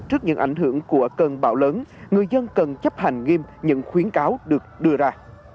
trước những ảnh hưởng của cơn bão lớn người dân cần chấp hành nghiêm những khuyến cáo được đưa ra